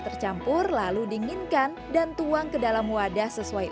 tercampur lalu dinginkan dan tuang ke dalam wadah sesuai